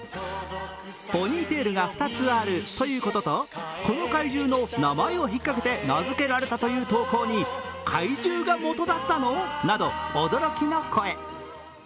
ポニーテールが２つあるということと、この怪獣の名前を引っかけて名付けられたという投稿に怪獣がもとだったの？など驚きの声。